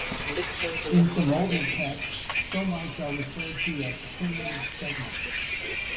In some older texts, somites are referred to as primitive segments.